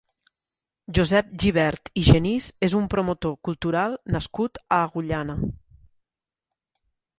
Josep Gibert i Genís és un promotor cultural nascut a Agullana.